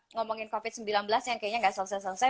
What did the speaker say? ngomongin covid sembilan belas yang kayaknya nggak selesai selesai